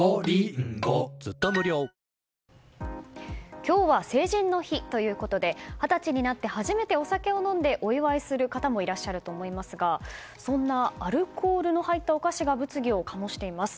今日は成人の日ということで二十歳になって初めてお酒を飲んで祝う方もいらっしゃると思いますがそんなアルコールの入ったお菓子が物議を醸しています。